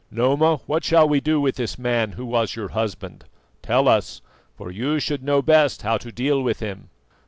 Noma, what shall we do with this man who was your husband? Tell us, for you should know best how to deal with him."